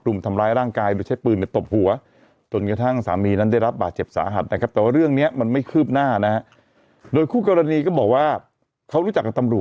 รุ่นทำลายร่างกายโดยใช้ปืนแบบตบหัว